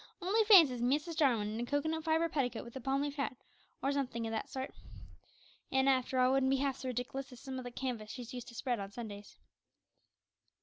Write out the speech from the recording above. Only fancy Mrs Jarwin in a cocoanut fibre petticoat with a palm leaf hat, or somethink o' that sort! An', after all, it wouldn't be half so rediklous as some o' the canvas she's used to spread on Sundays."